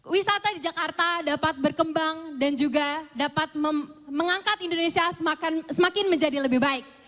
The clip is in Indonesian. wisata di jakarta dapat berkembang dan juga dapat mengangkat indonesia semakin menjadi lebih baik